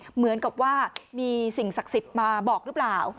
เหมือนกับว่ามีสิ่งศักดิ์สิทธิ์มาบอกหรือเปล่า